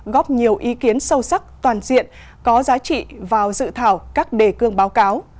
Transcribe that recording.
góp nhiều ý kiến sâu sắc toàn diện có giá trị vào dự thảo các đề cương báo cáo